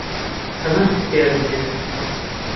هەمان پرسیارم هەیە.